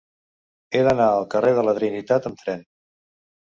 He d'anar al carrer de la Trinitat amb tren.